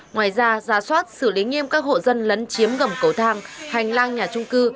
ngoài ra giả soát xử lý nghiêm các hộ dân lấn chiếm gầm cầu thang hành lang nhà trung cư